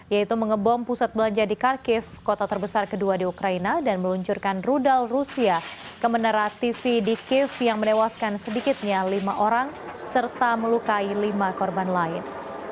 yaitu mengebom pusat belanja di kharkiv kota terbesar kedua di ukraina dan meluncurkan rudal rusia ke menara tv di kiev yang menewaskan sedikitnya lima orang serta melukai lima korban lain